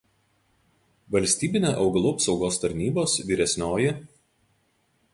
Valstybinė augalų apsaugos tarnybos vyresn.